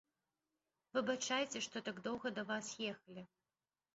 Выбачайце, што так доўга да вас ехалі!